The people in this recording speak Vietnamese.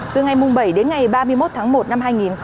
từ ngày bảy đến ngày ba mươi một tháng một năm hai nghìn hai mươi